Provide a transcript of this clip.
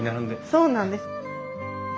そうなんです。